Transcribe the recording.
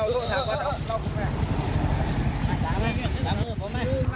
โอเคมั้ยล่ะ